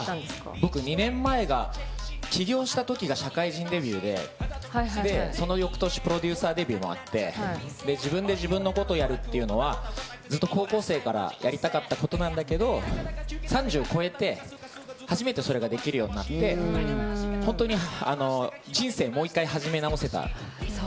僕、２年前が起業した時が社会人デビューで、その翌年プロデューサーデビューもあって、自分で自分のことをやるっていうのは高校生からやりたかったことなんだけど、３０を超えて、初めてそれができるようになって、本当に人生をもう一回、始め直せた。